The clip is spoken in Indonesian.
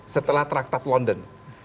setelah traktat london